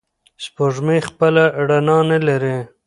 سپوږمۍ خپله رڼا نلري.